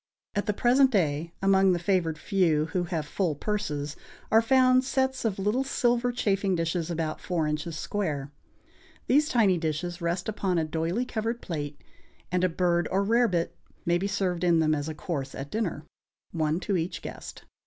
At the present day among the favored few, who have full purses, are found sets of little silver chafing dishes about four inches square. These tiny dishes rest upon a doylie covered plate, and a bird or rarebit may be served in them as a course at dinner, one to each guest.